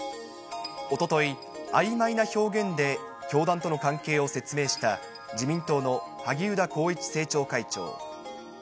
おととい、あいまいな表現で教団との関係を説明した、自民党の萩生田光一政調会長。